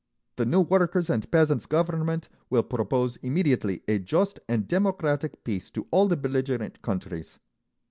The new Workers' and Peasants' Government will propose immediately a just and democratic peace to all the belligerent countries.